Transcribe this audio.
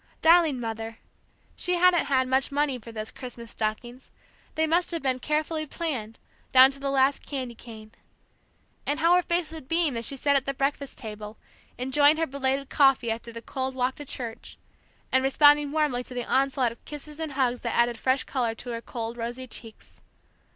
Darling Mother she hadn't had much money for those Christmas stockings, they must have been carefully planned, down to the last candy cane. And how her face would beam, as she sat at the breakfast table, enjoying her belated coffee, after the cold walk to church, and responding warmly to the onslaught of kisses and bugs that added fresh color to her cold, rosy cheeks!